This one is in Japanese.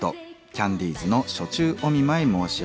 キャンディーズの「暑中お見舞い申し上げます」